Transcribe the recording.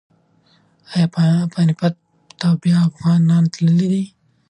ایا پاني پت ته بیا افغانان تللي دي؟